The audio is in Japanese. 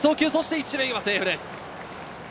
１塁はセーフです。